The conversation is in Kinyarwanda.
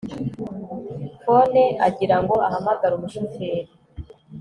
phone agira ngo ahamagare umushoferi